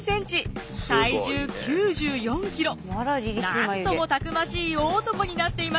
なんともたくましい大男になっていました。